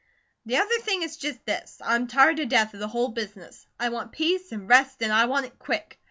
"The other thing is just this: I'm tired to death of the whole business. I want peace and rest and I want it quick.